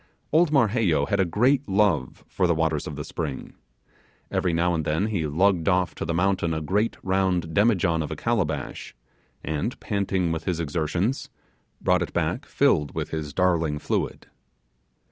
Old Marheyo had a great love for the waters of the spring. Every now and then he lugged off to the mountain a great round demijohn of a calabash, and, panting with his exertions, brought it back filled with his darling fluid.